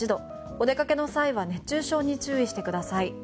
お出かけの際は熱中症に注意してください。